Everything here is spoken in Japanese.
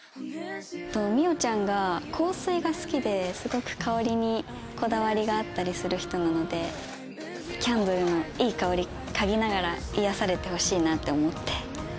美桜ちゃんが香水が好きですごく香りにこだわりがあったりする人なのでキャンドルのいい香り嗅ぎながら癒やされてほしいなって思って。